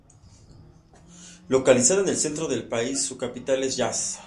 Localizada en el centro del país, su capital es Yazd.